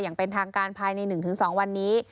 อย่างเป็นทางการภายใน๑๒วันนี้